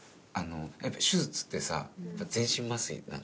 やっぱ手術ってさ全身麻酔なの？